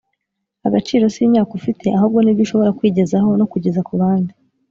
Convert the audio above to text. agaciro si imyaka ufite, ahubwo ni ibyo ushobora kwigezaho no kugeza ku bandi.